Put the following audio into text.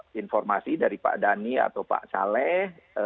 sudah ada informasi dari pak dhani atau pak saleh